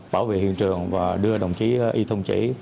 bảo vệ hiện trường và đưa đồng chí y thông chỉ